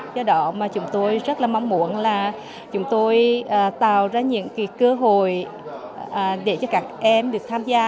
do đó mà chúng tôi rất là mong muốn là chúng tôi tạo ra những cơ hội để cho các em được tham gia